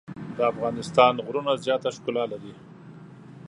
د افغانستان غره زیاته ښکلا لري.